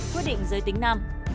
quyết định giới tính nam